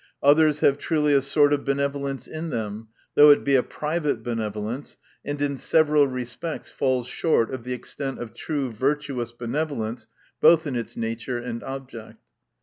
Others have truly a sort of benevolence in them, though it be a private benevolence, and in several respects falls short of the extent of true virtuous benevolence, both in its nature and object.